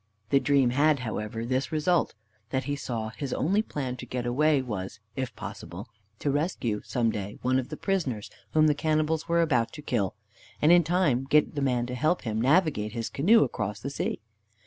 The dream had, however, this result; that he saw his only plan to get away was, if possible, to rescue some day one of the prisoners whom the cannibals were about to kill, and in time get the man to help him to navigate his canoe across the sea.